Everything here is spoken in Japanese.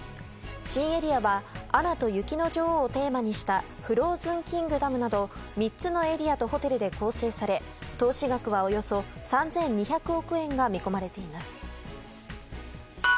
新エリアは「アナと雪の女王」をテーマにしたフローズンキングダムなど３つのエリアとホテルで構成され投資額はおよそ３２００億円が見込まれています。